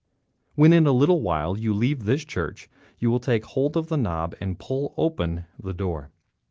When, in a little while, you leave this church you will take hold of a knob and pull open the door.